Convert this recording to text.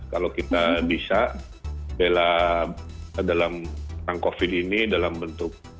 kalau kita bisa bela dalam covid ini dalam bentuk